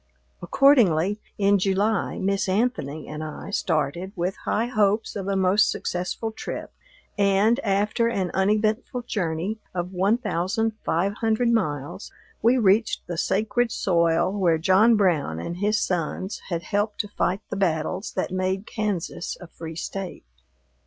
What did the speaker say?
Accordingly, in July, Miss Anthony and I started, with high hopes of a most successful trip, and, after an uneventful journey of one thousand five hundred miles, we reached the sacred soil where John Brown and his sons had helped to fight the battles that made Kansas a free State.